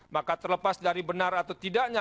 maka terlepas dari benar atau tidaknya